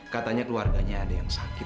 katanya keluarganya ada yang sakit